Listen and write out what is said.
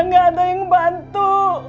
nggak ada yang bantu